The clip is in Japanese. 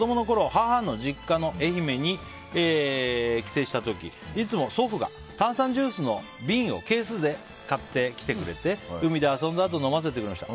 母の実家の愛媛に帰省した時いつも祖父が炭酸ジュースの瓶をケースで買ってきてくれて海で遊んだあと飲ませてくれました。